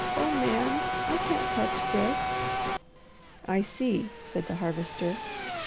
Oh Man, I can't touch this." "I see," said the Harvester.